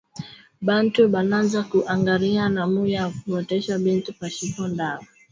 Bantu bananza ku angariya namuna ya kuotesha bintu pashipo dawa